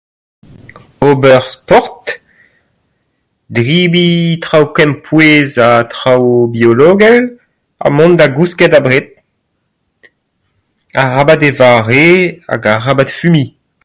Ober sport, debriñ traoù kempouez ha traoù biologel ha mont da gousket abred. Arabat evañ re hag arabat fumiñ.